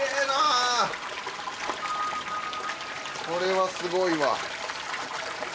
これはすごいわ。